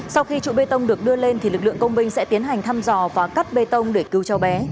sau khi trụ bê tông được đưa lên thì lực lượng công binh sẽ tiến hành thăm dò và cắt bê tông để cứu cháu bé